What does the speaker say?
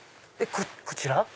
こちら？